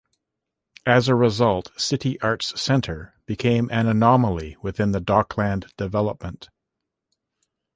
As a result, City Arts Centre became an anomaly within the dockland development.